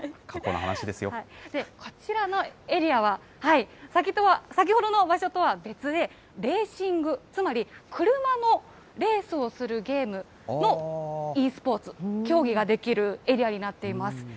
過去の話ですよ。こちらのエリアは、先ほどの場所とは別で、レーシング、つまり車のレースをするゲームのｅスポーツ、競技ができるエリアになっています。